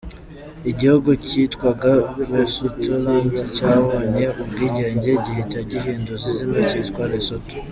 Igihugu cyitwaga Besutoland cyabonye ubwigenge gihita gihindura izina cyitwa Lesotho.